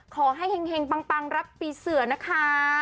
ขอให้แห่งปังรับปีเสือนะคะ